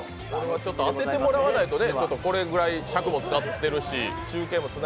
当ててもらわないとね、これぐらい尺も使ってるし、中継も。